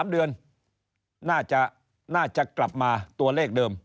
๓เดือนน่าจะกลับมาตัวเลขเดิม